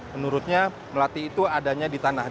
menurutnya melati itu adanya di tanah